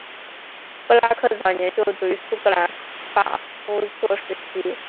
布拉克早年就读于苏格兰法夫作实习。